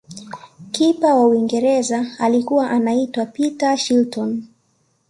kipa wa uingereza alikuwa anaitwa peter shilton